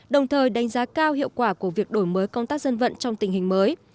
đồng thời đánh giá cao hiệu quả của việc đổi mới công tác dân vận trong tình hình mới